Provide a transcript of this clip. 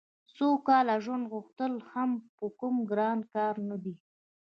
د سوکاله ژوند غوښتل هم کوم ګران کار نه دی